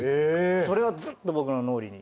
それはずっと僕の脳裏に。